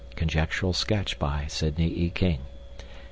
(Conjectural sketch by Sidney E. King.)